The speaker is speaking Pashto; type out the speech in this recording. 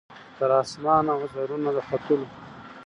تر اسمانه وزرونه د ختلو